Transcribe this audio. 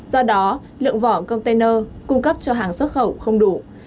do đó lượng vỏ container cung cấp cho hàng xuất khẩu không đủ